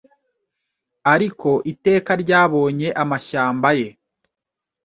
Ariko Iteka ryabonye amashyamba ye